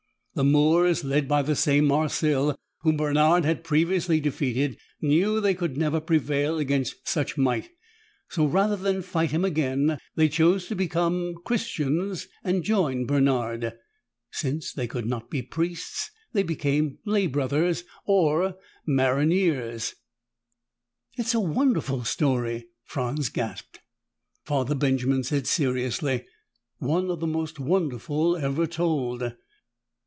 The Moors, led by the same Marsil whom Bernard had previously defeated, knew they could never prevail against such might. So rather than fight him again, they chose to become Christians and join Bernard. Since they could not be priests, they became lay brothers, or maronniers." "It is a wonderful story!" Franz gasped. Father Benjamin said seriously, "One of the most wonderful ever told.